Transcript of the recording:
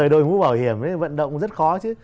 đội mũ bảo hiểm vận động rất khó chứ